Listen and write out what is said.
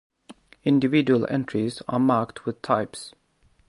Individual entries are marked with types.